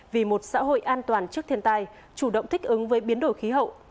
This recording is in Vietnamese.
vì một xã hội an toàn trước thiên tai chủ động thích ứng với biến đổi khí hậu